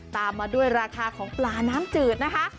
ตามมาด้วยราคาของปลาน้ำจืดนะคะ